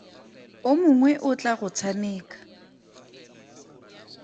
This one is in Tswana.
O mongwe o tla go tshameka.